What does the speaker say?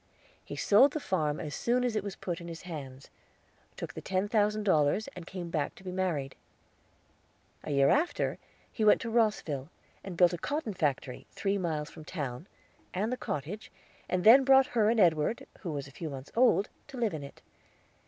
He sold the farm as soon as it was put in his hands, took the ten thousand dollars, and came back to be married. A year after, he went to Rosville, and built a cotton factory, three miles from town, and the cottage, and then brought her and Edward, who was a few months old, to live in it.